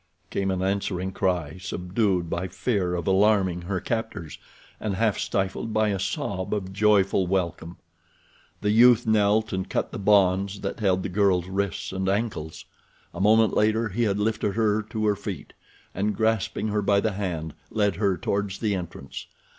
came an answering cry, subdued by fear of alarming her captors, and half stifled by a sob of joyful welcome. The youth knelt and cut the bonds that held the girl's wrists and ankles. A moment later he had lifted her to her feet, and grasping her by the hand led her towards the entrance.